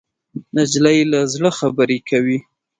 نجلۍ له زړه خبرې کوي.